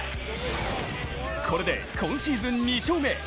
これで今シーズン２勝目。